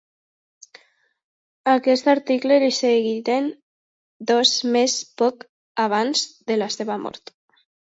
A aquest article li seguirien dos més poc abans de la seva mort.